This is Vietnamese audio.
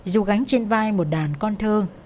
dù gánh trên vai một đàn con thơ